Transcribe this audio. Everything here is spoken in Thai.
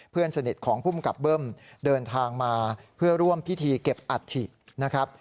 เพื่อนสนิทของภูมิกับเบิ้มเดินทางมาเพื่อร่วมพิธีเก็บอัฐินะครับ